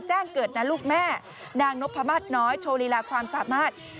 แจ้งเกิดนะลูกแม่นางนพมาสน้อยโชว์ลีลาความสามารถ